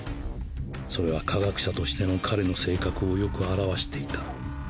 それは科学者としての彼の性格をよく表していた。